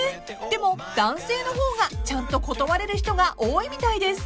でも男性の方がちゃんと断れる人が多いみたいです］